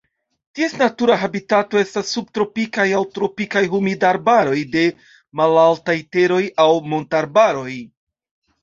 Ties natura habitato estas subtropikaj aŭ tropikaj humidaj arbaroj de malaltaj teroj aŭ montarbaroj.